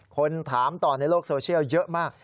คนถามต่อในโลกโซเชียลเยอะมาก